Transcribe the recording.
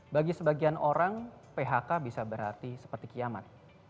bagi sebagian orang phk bisa berarti seperti kiamat